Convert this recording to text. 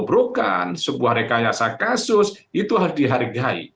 membobrokan sebuah rekayasa kasus itu dihargai